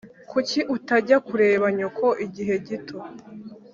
kuki utajya kureba nyoko igihe gito